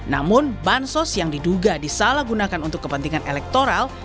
namun bansos yang diduga disalahgunakan untuk kepentingan elektoral